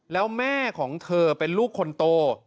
แล้วแม่ของเธอเป็นลูกคนโต